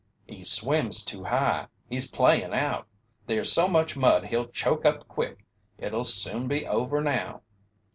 "He swims too high he's playin' out there's so much mud he'll choke up quick. It'll soon be over now."